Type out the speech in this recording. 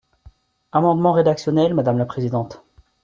Amendement rédactionnel, madame la présidente.